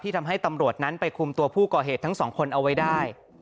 ทำให้ตำรวจนั้นไปคุมตัวผู้ก่อเหตุทั้งสองคนเอาไว้ได้